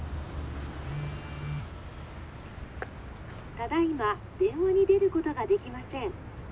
「ただいま電話に出ることができません」。